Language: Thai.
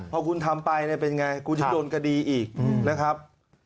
พอคุณทำไปเป็นยังไงคุณจะโดนคดีอีกนะครับ